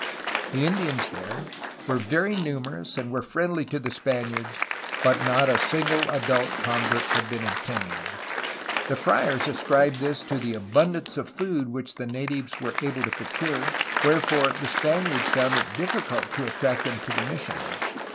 The Indians there were very numerous and were friendly to the Spaniards, but not a single adult convert had been obtaiiied. The friars ascribed this to the abundance of food which the natives were able to procure, wherefore the Spaniards found it difficult to attract them to the mission.